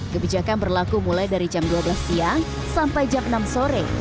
kebijakan berlaku mulai dari jam dua belas siang sampai jam enam sore